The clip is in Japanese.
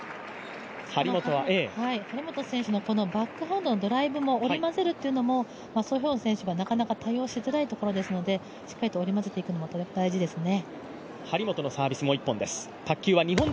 張本選手も、バックハンドの対応も織り交ぜるというのもソ・ヒョウォン選手はなかなか対応しづらいところですのでしっかりと織り交ぜていくことも大事ですね。